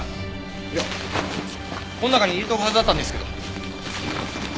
いやこん中に入れとくはずだったんですけど。